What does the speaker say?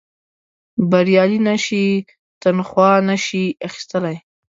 بریالي نه شي تنخوا نه شي اخیستلای.